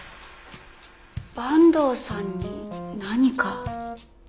坂東さんに何か？